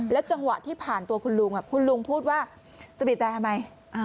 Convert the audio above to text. จังหวะที่ผ่านตัวคุณลุงคุณลุงพูดว่าจะบีบแต่ทำไม